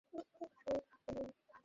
তাই না, জ্যাজ?